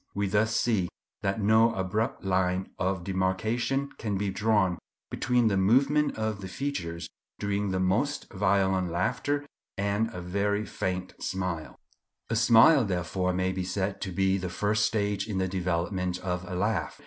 We thus see that no abrupt line of demarcation can be drawn between the movement of the features during the most violent laughter and a very faint smile. A smile, therefore, may be said to be the first stage in the development of a laugh.